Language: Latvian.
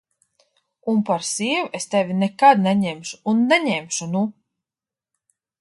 Un par sievu es tevi nekad neņemšu un neņemšu, nu!